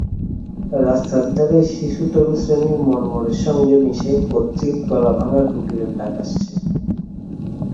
রাস্তার ধারের সিসুতরুশ্রেণীর মর্মরের সঙ্গে মিশে ক্বচিৎ গলাভাঙা কোকিলের ডাক আসছে।